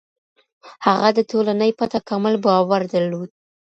هغه د ټولني په تکامل باور درلود.